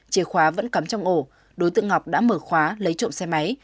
chìa khóa vẫn cắm trong ổ đối tượng ngọc đã mở khóa lấy trộm xe máy